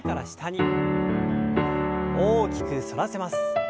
大きく反らせます。